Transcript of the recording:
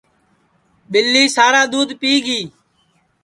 ٻِلی سارا دُؔودھ پِیگی